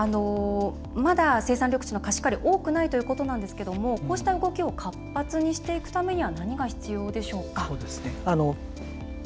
まだ、生産緑地の貸し借り多くないということなんですがこうした動きを活発にしていくためには何が必要でしょうか？